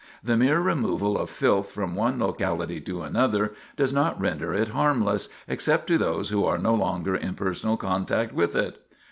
The mere removal of filth from one locality to another does not render it harmless, except to those who are no longer in personal contact with it."